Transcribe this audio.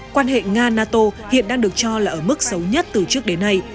quan hệ nga nato hiện đang được cho là ở mức xấu nhất từ trước đến nay